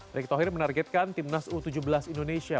erick thohir menargetkan tim nas u tujuh belas indonesia